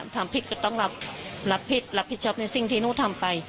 ทำผิดก็ต้องรับผิดรับผิดชอบในสิ่งที่หนูทำไป